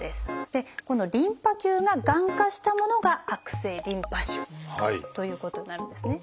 このリンパ球ががん化したものが悪性リンパ腫ということになるんですね。